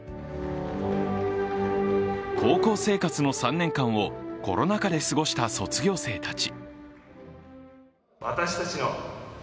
高校生活の３年間をコロナ禍で過ごした卒業生たち。